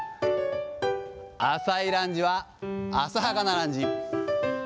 浅いランジは浅はかなランジ。